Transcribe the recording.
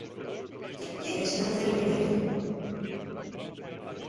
¿Quién yeres enantes de venir equí?